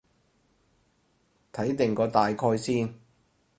睇定個大概先